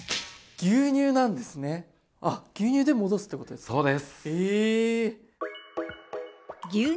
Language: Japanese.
牛乳で戻すってことですか？